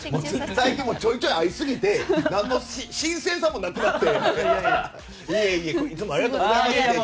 最近ちょいちょい会いすぎて何の新鮮さもなくなって。